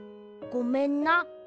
ごめんな。